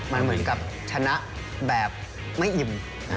มันเหมือนกับชนะแบบไม่อิ่ม